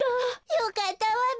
よかったわべ。